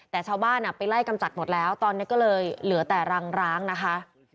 แต่ชาวบ้านไปไล่กำจัดหมดแล้วตอนนี้ก็เลยเหลือแต่รังร้างนะคะ